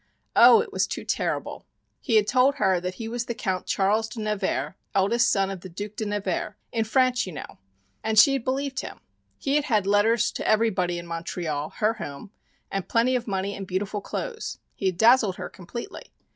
Oh, it was too terrible. He had told her that he was the Count Charles de Nevers, eldest son of the Duc de Nevers in France, you know. And she had believed him. He had had letters to everybody in Montreal, her home, and plenty of money and beautiful clothes. He had dazzled her completely.